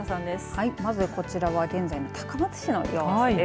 はい、まずこちらは現在の高松市の様子です。